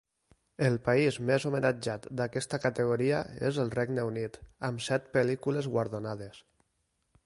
El país més homenatjat d'aquesta categoria és el Regne Unit, amb set pel·lícules guardonades.